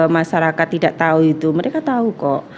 masyarakat tidak tahu itu mereka tahu kok